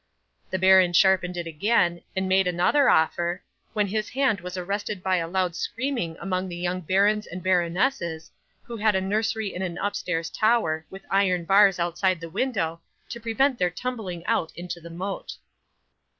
'The baron sharpened it again, and made another offer, when his hand was arrested by a loud screaming among the young barons and baronesses, who had a nursery in an upstairs tower with iron bars outside the window, to prevent their tumbling out into the moat.